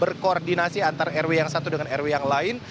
berkoordinasi antar rw yang satu dengan rw yang lain